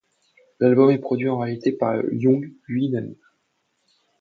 L'album est produit et réalisé par Young lui-même.